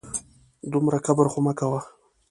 دومره کبر خو مه کوه